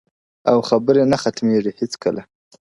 او خبري نه ختمېږي هېڅکله,